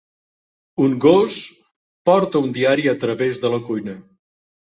Un gos porta un diari a través de la cuina.